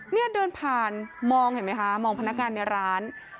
เนี่ยเดินผ่านมองเห็นไหมคะมองพนักงานในร้าน